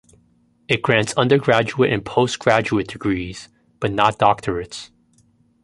It grants undergraduate and post-graduate degrees, but not doctorates.